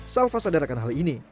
salva sadarkan hal ini